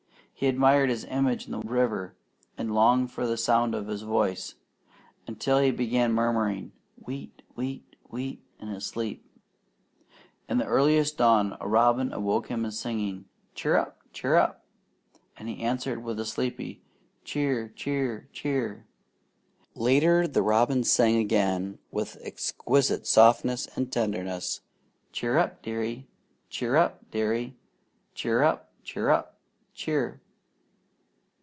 He admired his image in the river, and longed for the sound of his voice, until he began murmuring, "Wheat! Wheat! Wheat!" in his sleep. In the earliest dawn a robin awoke him singing, "Cheer up! Cheer up!" and he answered with a sleepy "Cheer! Cheer! Cheer!" Later the robin sang again with exquisite softness and tenderness: "Cheer up, Dearie! Cheer up, Dearie! Cheer up! Cheer up! Cheer!"